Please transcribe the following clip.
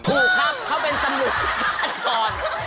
ถูกครับเขาเป็นตำรวจอาจร